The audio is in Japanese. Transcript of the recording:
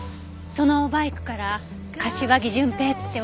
そのバイクから柏木順平ってわかったのね。